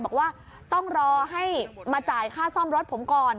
บอกว่าต้องรอให้มาจ่ายค่าซ่อมรถผมก่อน